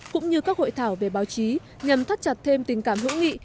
cũng như các hội thảo về báo chí nhằm thắt chặt thêm tình cảm hữu nghị